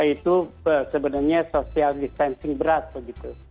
itu sebenarnya social distancing berat begitu